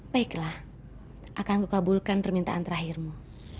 baiklah akan kukabulkan permintaan terakhirmu